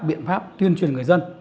biện pháp tuyên truyền người dân